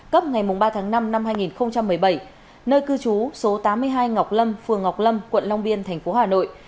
cấp ngày ba tháng năm năm hai nghìn một mươi bảy nơi cư trú số tám mươi hai ngọc lâm phường ngọc lâm quận long biên thành phố hà nội